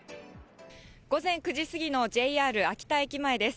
午前９時過ぎのＪＲ秋田駅前です。